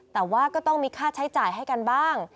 แต่ว่าก็ต้องมีค่าใช้จ่ายให้กันบ้าง